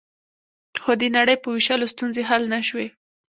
خو د نړۍ په وېشلو ستونزې حل نه شوې